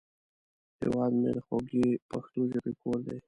هیواد مې د خوږې پښتو ژبې کور دی